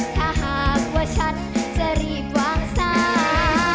ถ้าหากว่าฉันจะรีบวางสา